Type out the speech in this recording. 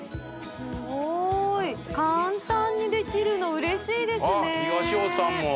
すごーい簡単にできるの嬉しいですね